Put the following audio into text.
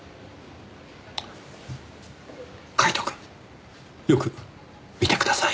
カイトくんよく見てください。